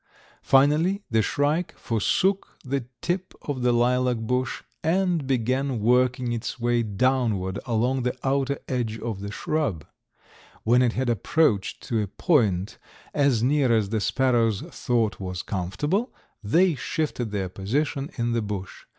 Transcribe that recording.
Finally the shrike forsook the tip of the lilac bush and began working its way downward along the outer edge of the shrub. When it had approached to a point as near as the sparrows thought was comfortable, they shifted their position in the bush.